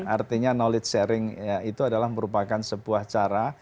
artinya knowledge sharing itu adalah merupakan sebuah cara